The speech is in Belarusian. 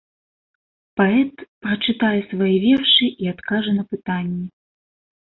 Паэт прачытае свае вершы і адкажа на пытанні.